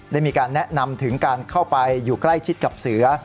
ได้มีการแนะนำถึงการเข้าไปอยู่ใกล้ชิดกับเสือ